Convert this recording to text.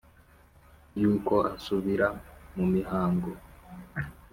y’uko asubira mu mihango